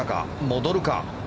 戻るか。